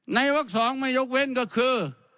วัก๒ไม่ยกเว้นก็คือ